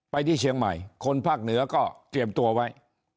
ที่เชียงใหม่คนภาคเหนือก็เตรียมตัวไว้